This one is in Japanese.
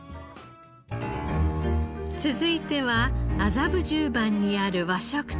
続いては麻布十番にある和食店。